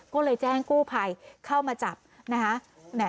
ก็เลยแจ้งกู้ภัยเข้ามาจับนะคะ